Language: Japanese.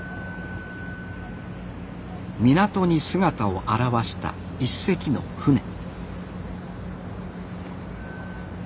港に姿を現した１隻の船。